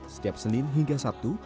setiap senin hingga sabtu